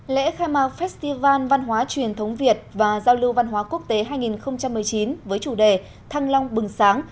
lễ khai mạc festival văn hóa truyền thống việt và giao lưu văn hóa quốc tế hai nghìn một mươi chín với chủ đề thăng long bừng sáng